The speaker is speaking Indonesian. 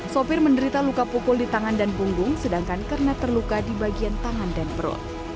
sopir menderita luka pukul di tangan dan punggung sedangkan kernet terluka di bagian tangan dan perut